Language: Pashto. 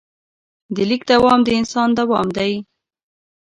د لیک دوام د انسان دوام دی.